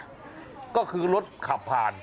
ก็คือรถขับผ่าน